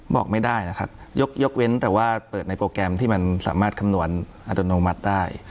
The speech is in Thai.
บอกไม่ได้นะครับยกเว้นแต่ว่าเปิดในโปรแกรมที่มันสามารถคำนวณอัตโนมัติได้